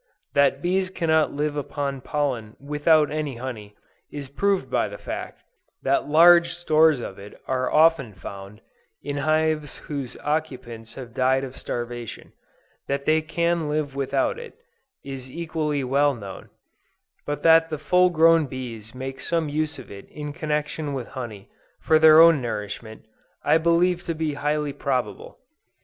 That bees cannot live upon pollen without any honey, is proved by the fact, that large stores of it are often found, in hives whose occupants have died of starvation; that they can live without it, is equally well known; but that the full grown bees make some use of it in connection with honey, for their own nourishment, I believe to be highly probable.